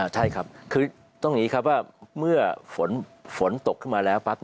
ใช่ครับคือต้องหนีครับว่าเมื่อฝนตกขึ้นมาแล้วปั๊บ